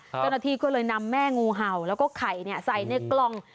เจ้าหน้าที่ก็เลยนำแม่งูเห่าแล้วก็ไข่ใส่ในกล่อง